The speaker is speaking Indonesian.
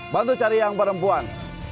bantu cari yang perempuan